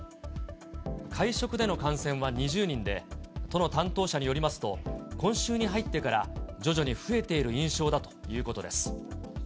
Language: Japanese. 会食での感染は２０人で、都の担当者によりますと、今週に入ってから、徐々に増えている印象だということです。